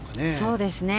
そうですね。